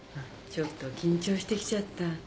ちょっと緊張してきちゃった。